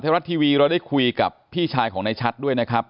รัฐทีวีเราได้คุยกับพี่ชายของนายชัดด้วยนะครับ